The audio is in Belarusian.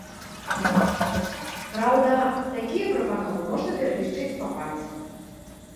Праўда, такія прапановы можна пералічыць па пальцах.